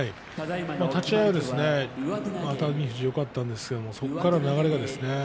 立ち合い熱海富士よかったんですがそのあとの流れですね。